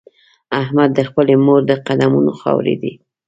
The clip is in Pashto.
احمد د خپلې مور د قدمونو خاورې دی.